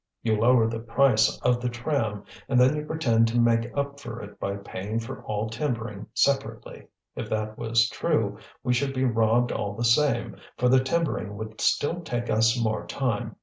You lower the price of the tram and then you pretend to make up for it by paying for all timbering separately. If that was true we should be robbed all the same, for the timbering would still take us more time.